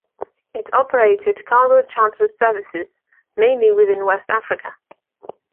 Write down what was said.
It operated cargo charter services mainly within West Africa.